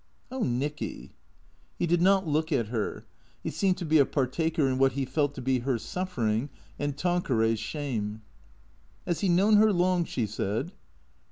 " Oh, Nicky " He did not look at her. He seemed to be a partaker in what he felt to be her suffering and Tanqueray's shame. " Has he known her long ?" she said.